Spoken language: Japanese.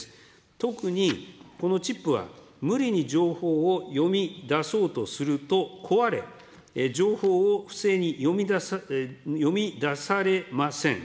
特に、このチップは無理に情報を読み出そうとすると壊れ、情報を不正に読み出されません。